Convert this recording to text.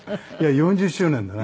４０周年だね。